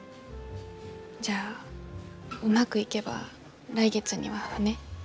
じゃあうまくいけば来月には船。